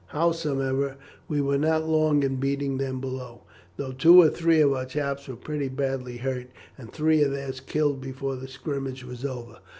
Howsomever we were not long in beating them below, though two or three of our chaps were pretty badly hurt, and three of theirs killed before the scrimmage was over.